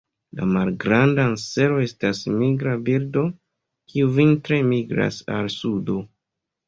La Malgranda ansero estas migra birdo, kiu vintre migras al sudo.